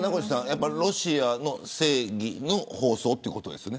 ロシアの正義の放送ということですね。